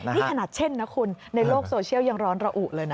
นี่ขนาดเช่นนะคุณในโลกโซเชียลยังร้อนระอุเลยนะ